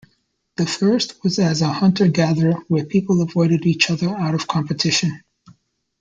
The first was as a hunter-gatherer where people avoided each other out of competition.